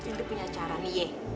ini punya cara nih ye